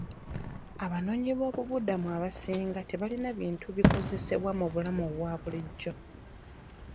Abanoonyiboobubudamu abasinga tebalina bintu bikozesebwa mu bulamu obwa bulijjo.